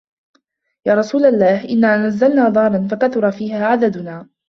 يَا رَسُولَ اللَّهِ إنَّا نَزَلْنَا دَارًا فَكَثُرَ فِيهَا عَدَدُنَا